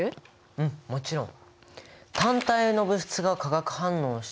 うんもちろん！